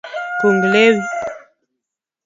Kung lewi.